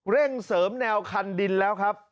เร่งเสริมแนวคันดินแล้วครับ